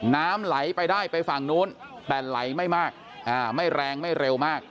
น้ำไหลไปได้ไปฝั่งนู้นแต่ไหลไม่มากไม่แรงไม่เร็วมาก